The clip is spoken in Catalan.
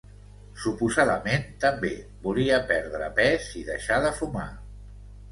Suposadament també volia perdre pes i deixar de fumar.